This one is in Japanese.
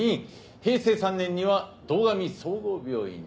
平成３年には堂上総合病院に。